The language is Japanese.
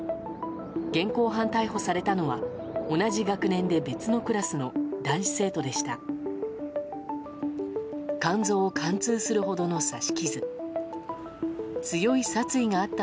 現行犯逮捕されたのは同じ学年で別のクラスの男子生徒でした。